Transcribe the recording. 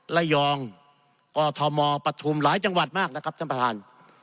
ระยองกอทมปฐุมหลายจังหวัดมากนะครับท่านประธาน